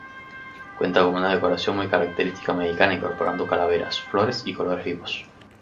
Cuenta con una decoración muy característica mexicana incorporando calaveras, flores y colores vivos.